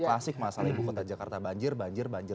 klasik masalah ibu kota jakarta banjir banjir banjir banjir